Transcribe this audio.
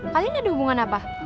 kalian ada hubungan apa